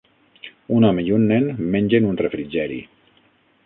Un home i un nen mengen un refrigeri.